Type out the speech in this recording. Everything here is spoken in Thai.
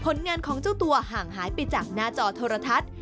งานของเจ้าตัวห่างหายไปจากหน้าจอโทรทัศน์